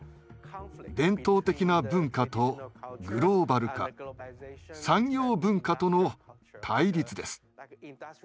伝統的な文化とグローバル化産業文化との対立です。